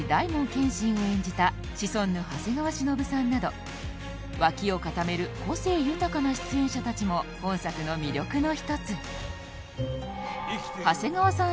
謙信を演じたシソンヌ・長谷川忍さんなど脇を固める個性豊かな出演者達も本作の魅力の一つ長谷川さん